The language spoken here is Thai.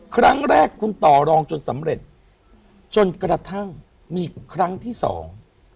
ครั้งแรกคุณต่อรองจนสำเร็จจนกระทั่งมีครั้งที่สอง